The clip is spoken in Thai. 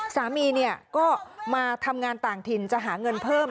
สามีก็มาทำงานต่างถิ่นจะหาเงินเพิ่ม